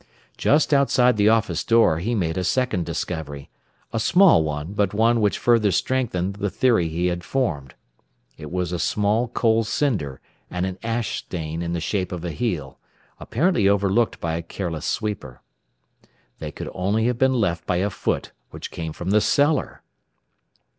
Just outside the office door he made a second discovery a small one, but one which further strengthened the theory he had formed. It was a small coal cinder and an ash stain in the shape of a heel, apparently overlooked by a careless sweeper. They could only have been left by a foot which came from the cellar!